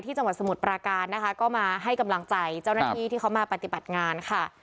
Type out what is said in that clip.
จังหวัดสมุทรปราการนะคะก็มาให้กำลังใจเจ้าหน้าที่ที่เขามาปฏิบัติงานค่ะ